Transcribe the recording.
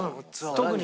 特に。